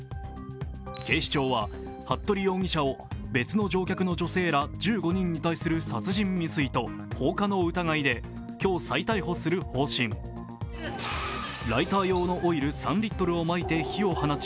警視庁は服部容疑者を別の乗客の女性ら１５人に対する殺人未遂と放火の疑いで今日、再逮捕する方針ライター用オイル３リットルをまいて火を放ち、